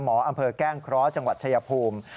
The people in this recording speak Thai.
อำเภอแก้งเคราะห์จังหวัดชายภูมิ